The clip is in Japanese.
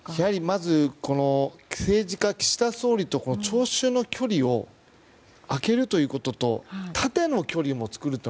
まず政治家、岸田総理と聴衆の距離を開けるということと縦の距離も作る。